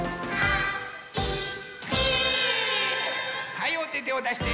はいおててをだして。